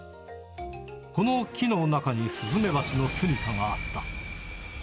この木の中にスズメバチの住みかがあった。